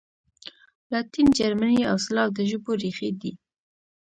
لاتین، جرمني او سلاو د ژبو ریښې دي.